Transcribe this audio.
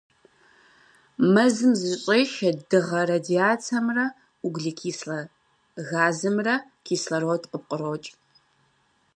Мэзым зыщӀешэ дыгъэ радиацэмрэ углекислэ газымрэ, кислород къыпкърокӀ.